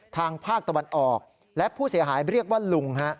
ทางภาคตะวันออกและผู้เสียหายเรียกว่าลุง